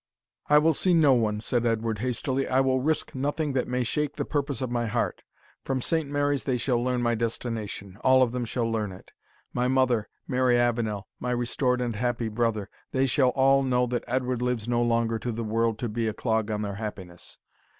"I will see no one," said Edward, hastily; "I will risk nothing that may shake the purpose of my heart. From Saint Mary's they shall learn my destination all of them shall learn it. My mother Mary Avenel my restored and happy brother they shall all know that Edward lives no longer to the world to be a clog on their happiness.